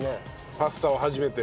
パスタは初めて？